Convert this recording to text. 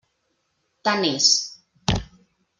Tant és.